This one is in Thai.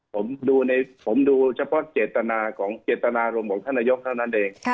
แต่ว่าผมดูเฉพาะเจตนารมของท่านอยกเท่านั้น